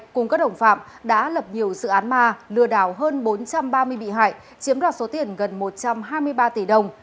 cùng các đồng phạm đã lập nhiều dự án ma lừa đảo hơn bốn trăm ba mươi bị hại chiếm đoạt số tiền gần một trăm hai mươi ba tỷ đồng